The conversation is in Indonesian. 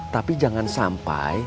tapi jangan sampai